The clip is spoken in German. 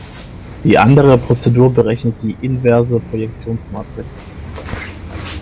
Die andere Prozedur berechnet die inverse Projektionsmatrix.